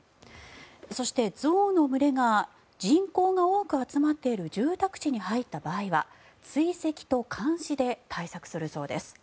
そして、象の群れが人口が多く集まっている住宅地に入った場合は追跡と監視で対策するそうです。